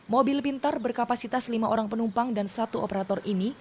mobil pintar berkapasitas lima orang penumpang dan satu operator ini